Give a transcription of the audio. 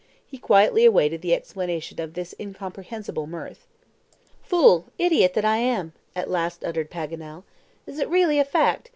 He quietly awaited the explanation of this incomprehensible mirth. "Fool, idiot, that I am!" at last uttered Paganel. "Is it really a fact?